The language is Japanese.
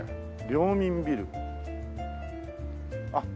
「領民ビル」あっ